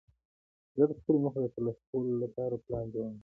زه د خپلو موخو د ترلاسه کولو له پاره پلان جوړوم.